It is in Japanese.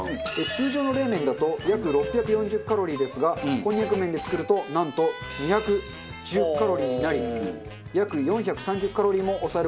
通常の冷麺だと約６４０キロカロリーですがこんにゃく麺で作るとなんと２１０キロカロリーになり約４３０キロカロリーも抑える事ができます。